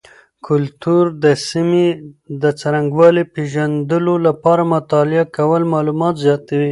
کلتور د سیمې د څرنګوالي پیژندلو لپاره مطالعه کول معلومات زیاتوي.